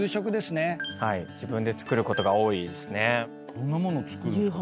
どんな物作るんですか？